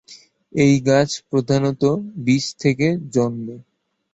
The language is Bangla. এই গাছ প্রধানত বীজ থেকে জন্মে।